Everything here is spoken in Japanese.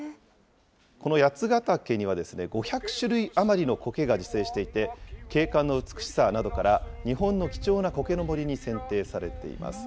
この八ヶ岳には、５００種類余りのコケが自生していて、景観の美しさなどから、日本の貴重なコケの森に選定されています。